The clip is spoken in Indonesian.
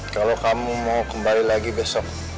kalau kamu mau kembali lagi besok